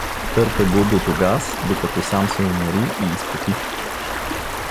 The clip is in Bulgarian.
Търка го дотогаз, докато сам се умори и изпоти.